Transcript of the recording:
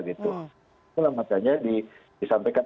itu lah maksudnya disampaikan